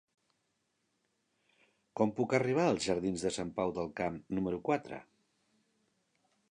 Com puc arribar als jardins de Sant Pau del Camp número quatre?